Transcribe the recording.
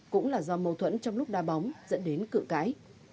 cũng là do mâu thuẫn trong lúc đa bóng dẫn đến cự cãi